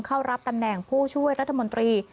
เข้ารับตำแหน่งผู้ช่วยรัฐมนตรี